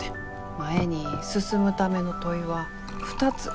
前に進むための問いは２つ。